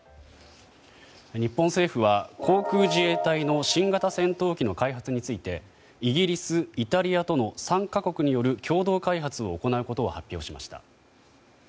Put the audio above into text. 日本政府は航空自衛隊の新型戦闘機の開発についてイギリス、イタリアとの３か国による共同開発を行うことを発表しました。